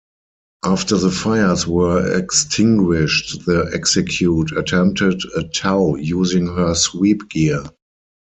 After the fires were extinguished the "Execute" attempted a tow using her sweep gear.